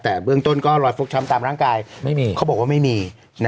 แต่เบื้องต้นก็รอยฟกช้ำตามร่างกายไม่มีเขาบอกว่าไม่มี